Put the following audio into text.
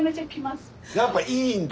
やっぱいいんだ？